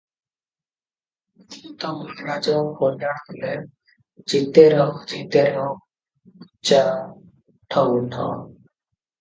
ମହନ୍ତ ମହାରାଜ କଲ୍ୟାଣ କଲେ, "ଜୀତେ ରହୋ - ଜୀତେ ରହୋ - ବଚ୍ଚା, ଉଠ - ଉଠ ।"